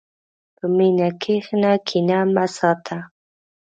په مینه کښېنه، کینه مه ساته.